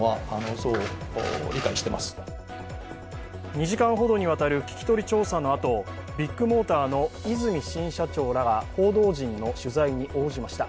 ２時間ほどにわたる聞き取り調査のあとビッグモーターの和泉新社長らが報道陣の取材に応じました。